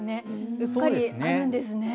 うっかりあるんですね。